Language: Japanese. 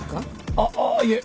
あっあいえ